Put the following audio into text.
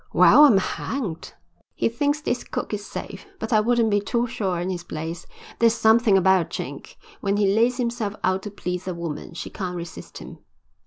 "Well, I'm hanged." "He thinks this cook is safe. But I wouldn't be too sure in his place. There's something about a Chink, when he lays himself out to please a woman she can't resist him."